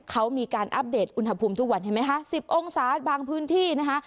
เขามีการอัปเดตอุณหภูมิทุกวันเห็นไหมคะ๑๐องศาบางพื้นที่นะคะ